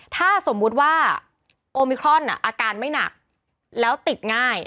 ถ้าสมมุติว่าโอมิครอนอาการไม่หนักแล้วติดง่าย